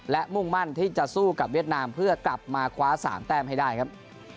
และมุ่งมั่นที่จะสู้กับเวียดนามเพื่อกลับมาคว้า๓แต้มให้ได้ครับ